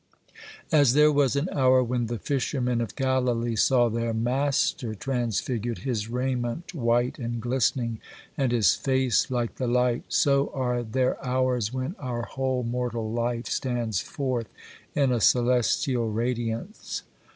As there was an hour when the fishermen of Galilee saw their Master transfigured, his raiment white and glistening, and his face like the light, so are there hours when our whole mortal life stands forth in a celestial radiance.